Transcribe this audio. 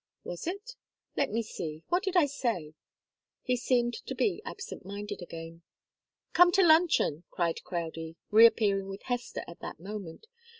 "Was it? Let me see what did I say?" He seemed to be absent minded again. "Come to luncheon!" cried Crowdie, reappearing with Hester at that moment.